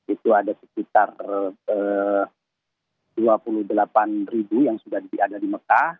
itu ada sekitar dua puluh delapan ribu yang sudah ada di mekah